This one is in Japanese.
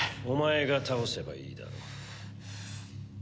お前が倒せばいいだろ。